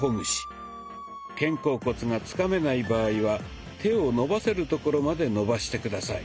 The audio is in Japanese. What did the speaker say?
肩甲骨がつかめない場合は手を伸ばせるところまで伸ばして下さい。